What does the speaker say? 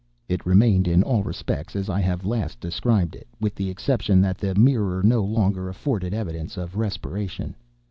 It remained in all respects as I have last described it, with the exception that the mirror no longer afforded evidence of respiration.